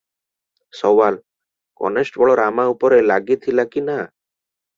ସୱାଲ - constable Rama ଉପରେ ରାଗିଥିଲା କି ନା?